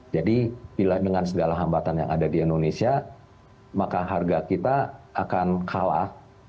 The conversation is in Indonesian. jadi bila dengan segala hambatan yang ada di indonesia maka harga kita akan kalah